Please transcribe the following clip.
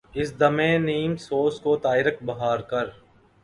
اس دم نیم سوز کو طائرک بہار کر